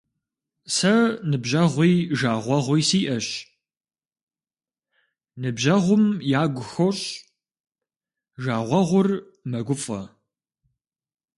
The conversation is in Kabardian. Сэ ныбжьэгъуи жагъуэгъуи сиӏэщ. Ныбжьэгъум ягу хощӏ, жагъуэгъур мэгуфӏэ.